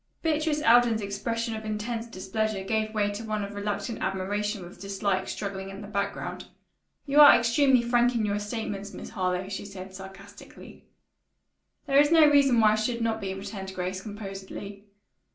Beatrice Alden's expression of intense displeasure gave way to one of reluctant admiration with dislike struggling in the background. "You are extremely frank in your statements, Miss Harlowe," she said sarcastically. "There is no reason why I should not be," returned Grace composedly.